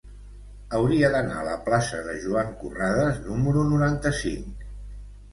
Hauria d'anar a la plaça de Joan Corrades número noranta-cinc.